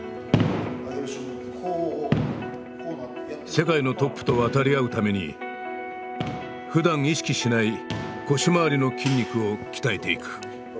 世界のトップと渡り合うためにふだん意識しない腰回りの筋肉を鍛えていく。